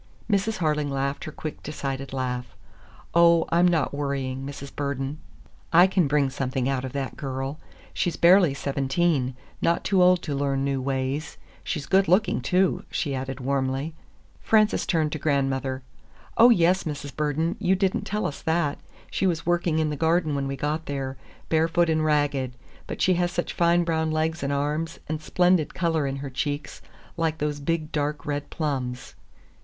Mrs. Harling laughed her quick, decided laugh. "Oh, I'm not worrying, Mrs. Burden! I can bring something out of that girl. She's barely seventeen, not too old to learn new ways. She's good looking, too!" she added warmly. Frances turned to grandmother. "Oh, yes, Mrs. Burden, you did n't tell us that! She was working in the garden when we got there, barefoot and ragged. But she has such fine brown legs and arms, and splendid color in her cheeks—like those big dark red plums."